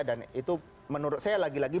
dan itu menurut saya lagi lagi